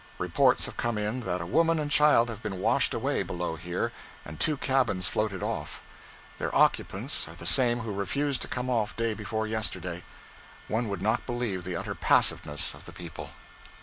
Reports have come in that a woman and child have been washed away below here, and two cabins floated off. Their occupants are the same who refused to come off day before yesterday. One would not believe the utter passiveness of the people.